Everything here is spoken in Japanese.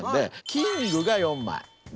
キングが４枚。